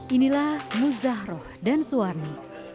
inilah muzahroh dan suwarni